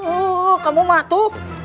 eh kamu mah itu